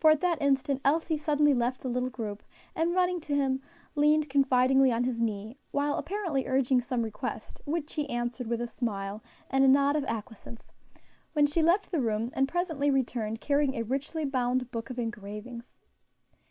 for at that instant Elsie suddenly left the little group, and running to him, leaned confidingly on his knee, while apparently urging some request, which he answered with a smile and a nod of acquiescence; when she left the room, and presently returned carrying a richly bound book of engravings.